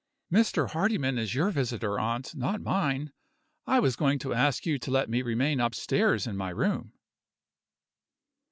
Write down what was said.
"Mr. Hardyman is your visitor, aunt not mine. I was going to ask you to let me remain upstairs in my room."